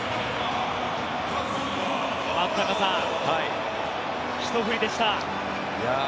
松坂さん、ひと振りでした。